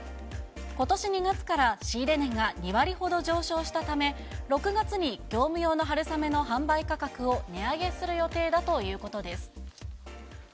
ことし２月から仕入れ値が２割ほど上昇したため、６月に業務用の春雨の販売価格を値上げする予定だということです。